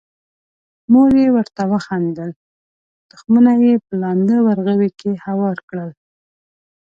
مور یې ورته وخندل، تخمونه یې په لانده ورغوي کې هوار کړل.